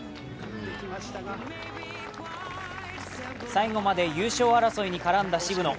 最後まで優勝争いに絡んだ渋野。